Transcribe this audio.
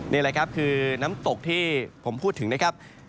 นี่แหละครับคือน้ำตกที่ผมพูดถึงนะครับ